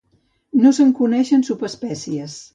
No se'n coneixen subespècies.